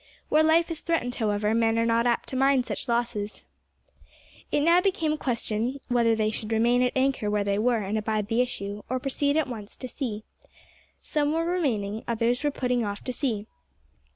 Where life is threatened, however, men are not apt to mind such losses. It now became a question whether they should remain at anchor where they were and abide the issue, or proceed at once to sea. Some were for remaining, others were for putting off to sea.